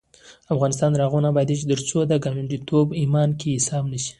افغانستان تر هغو نه ابادیږي، ترڅو ګاونډیتوب په ایمان کې حساب نشي.